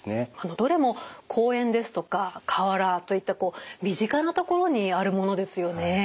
どれも公園ですとか河原といった身近な所にあるものですよね。